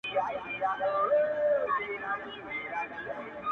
پاچا که د جلاد پر وړاندي. داسي خاموش وو.